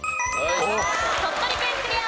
鳥取県クリア！